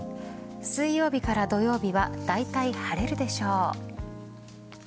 水曜日から土曜日はだいたい晴れるでしょう。